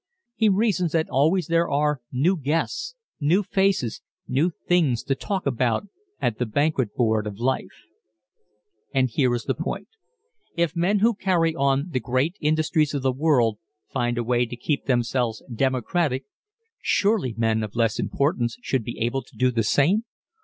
He reasons that always there are new guests, new faces, new things to talk about at the banquet board of life. [Illustration: Taking on Local Color] And here is the point if men who carry on the great industries of the world find a way to keep themselves democratic surely men of less importance should be able to do the same?